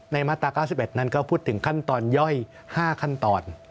มาตรา๙๑นั้นก็พูดถึงขั้นตอนย่อย๕ขั้นตอน